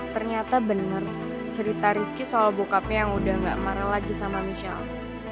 ternyata bener cerita ricky soal bokapnya yang udah gak marah lagi sama michelle